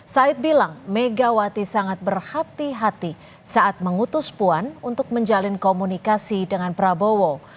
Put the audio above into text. said bilang megawati sangat berhati hati saat mengutus puan untuk menjalin komunikasi dengan prabowo